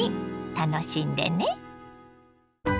楽しんでね。